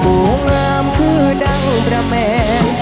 งามคือดังประแมน